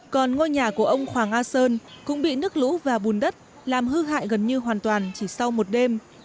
còn ngôi nhà của ông khoảng a sơn cũng bị nước lũ và bùn đất làm hư hại gần như hoàn toàn chỉ sau một đêm